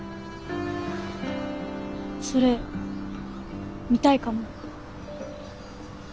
それ見たいかも。